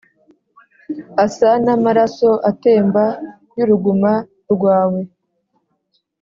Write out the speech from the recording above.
asa n’amaraso atemba y’uruguma rwawe